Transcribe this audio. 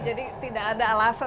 jadi tidak ada alasan